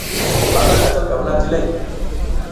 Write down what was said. A laka calka vuna jileƞ.